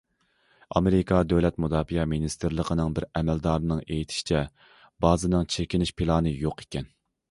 ئامېرىكا دۆلەت مۇداپىئە مىنىستىرلىقىنىڭ بىر ئەمەلدارىنىڭ ئېيتىشىچە بازىنىڭ چېكىنىش پىلانى يوق ئىكەن.